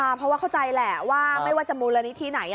เพราะว่าเข้าใจแหละว่าไม่ว่าจะมูลนิธิไหน